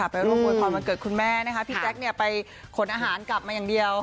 พี่แท๊คไปคนอาหารกลับมาอย่างเดียว